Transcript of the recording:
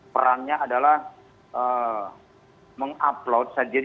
perannya adalah mengupload